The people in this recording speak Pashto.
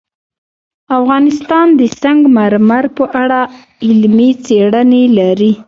افغانستان د سنگ مرمر په اړه علمي څېړنې لري.